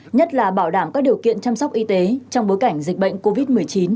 nhất là bảo đảm các điều kiện chăm sóc y tế trong bối cảnh dịch bệnh covid một mươi chín